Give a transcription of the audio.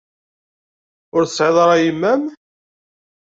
Ur tesɛiḍ ara yemma-m?